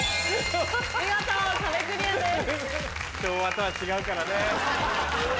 見事壁クリアです。